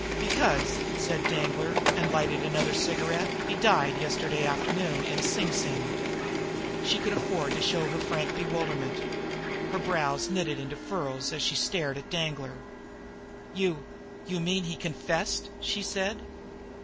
"Because," said Danglar, and lighted another cigarette, "he died yesterday afternoon up in Sing Sing." She could afford to show her frank bewilderment. Her brows knitted into furrows, as she stared at Danglar. "You you mean he confessed?" she said.